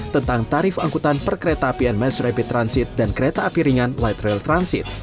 tentang tarif angkutan perkereta apian mass rapid transit dan kereta api ringan light rail transit